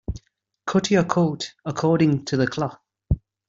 Cut your coat according to the cloth.